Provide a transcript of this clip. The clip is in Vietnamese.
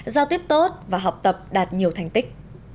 giao tiếp tốt và học tập đạt nhiều thành tích